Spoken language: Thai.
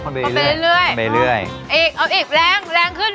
คนไปเรื่อยคนไปเรื่อยคนไปเรื่อยอีกเอาอีกแรงแรงขึ้น